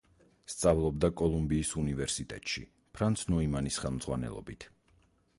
სწავლობდა კოლუმბიის უნივერსიტეტში ფრანც ნოიმანის ხელმძღვანელობით.